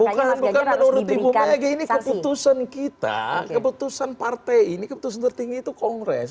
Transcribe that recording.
bukan bukan menurut ibu mega ini keputusan kita keputusan partai ini keputusan tertinggi itu kongres